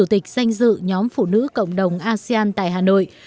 dịch danh dự nhóm phụ nữ cộng đồng asean tại hà nội